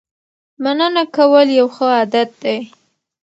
مننه کول یو ښه عادت دی.